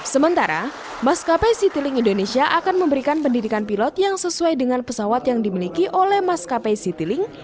sementara maskapai citylink indonesia akan memberikan pendidikan pilot yang sesuai dengan pesawat yang dimiliki oleh maskapai citylink